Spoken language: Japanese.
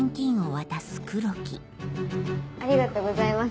ありがとうございます。